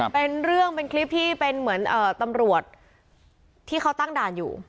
เป็นเรื่องเป็นคลิปที่เป็นเหมือนตำรวจที่เขาตั้งด่านอยู่